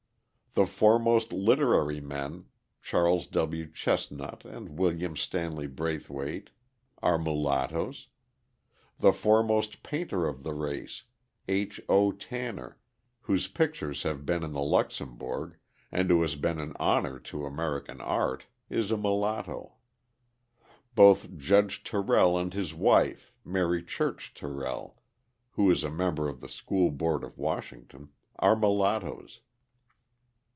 The foremost literary men, Charles W. Chesnutt and William Stanley Braithwaite, are mulattoes; the foremost painter of the race, H. O. Tanner, whose pictures have been in the Luxembourg, and who has been an honour to American art, is a mulatto. Both Judge Terrell and his wife, Mary Church Terrell, who is a member of the School Board of Washington, are mulattoes.